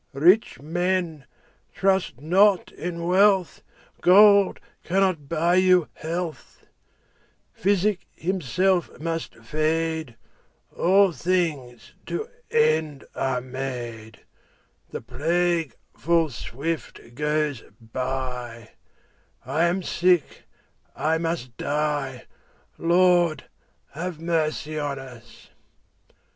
Rich men, trust not in wealth, Gold cannot buy you health; Physic himself must fade; 10 All things to end are made; The plague full swift goes by; I am sick, I must die— Lord, have mercy on us!